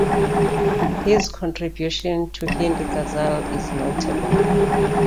His contribution to Hindi ghazal is notable.